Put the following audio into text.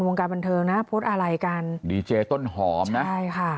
วงการบันเทิงนะโพสต์อะไรกันดีเจต้นหอมนะใช่ค่ะ